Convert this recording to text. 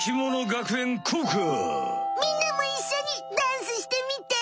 みんなもいっしょにダンスしてみて！